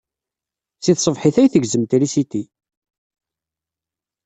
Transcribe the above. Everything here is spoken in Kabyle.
Seg tṣebḥit ay tegzem trisiti.